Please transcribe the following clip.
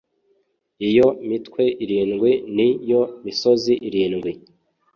Iyo mitwe irindwi ni yo misozi irindwi